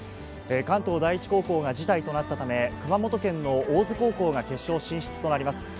関東第一高校が辞退となったため、熊本県の大津高校が決勝進出となります。